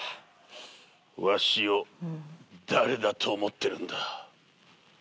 わしを誰だと思ってるんだ？